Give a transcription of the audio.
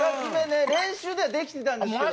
練習ではできてたんですけど